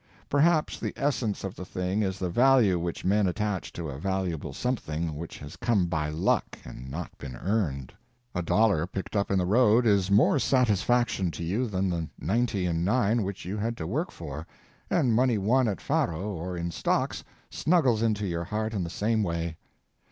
Perhaps the essence of the thing is the value which men attach to a valuable something which has come by luck and not been earned. A dollar picked up in the road is more satisfaction to you than the ninety and nine which you had to work for, and money won at faro or in stocks snuggles into your heart in the same way.